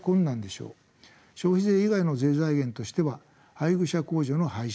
消費税以外の税財源としては配偶者控除の廃止